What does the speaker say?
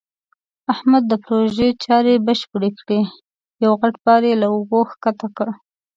احمد د پروژې چارې بشپړې کړې. یو غټ بار یې له اوږو ښکته کړ.